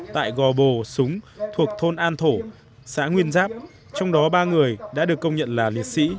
tại gò bồ súng thuộc thôn an thổ xã nguyên giáp trong đó ba người đã được công nhận là liệt sĩ